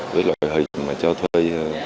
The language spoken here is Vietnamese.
với loại hệ thống cho thuê